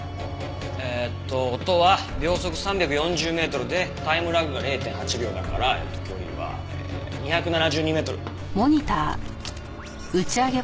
えっと音は秒速３４０メートルでタイムラグが０．８秒だからえっと距離は２７２メートル。